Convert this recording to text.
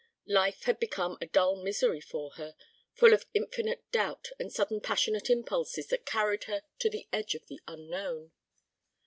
Life had become a dull misery for her, full of infinite doubt and sudden passionate impulses that carried her to the edge of the unknown.